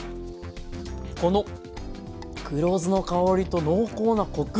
この黒酢の香りと濃厚なコク！